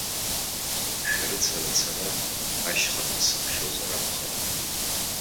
Шәарыцара ацара, ашьхақәа сыԥхьозар акәхарын.